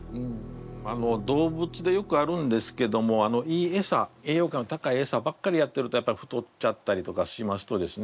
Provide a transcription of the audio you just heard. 動物でよくあるんですけどもいいエサ栄養価の高いエサばっかりやってるとやっぱ太っちゃったりとかしますとですね